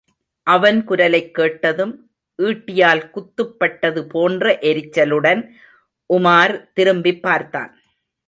அவன் குரலைக்கேட்டதும், ஈட்டியால் குத்துப்பட்டது போன்ற எரிச்சலுடன் உமார் திரும்பிப்பார்த்தான்.